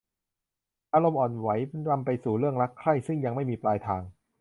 อารมณ์อ่อนไหวนำไปสู่เรื่องรักใคร่ซึ่งยังไม่มีปลายทาง